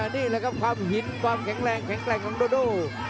นี่แหละครับความหินความแข็งแรงแข็งแกร่งของโดโด